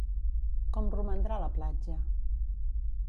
Com romandrà la platja?